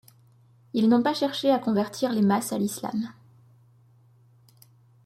Ils n'ont pas cherché à convertir les masses à l'islam.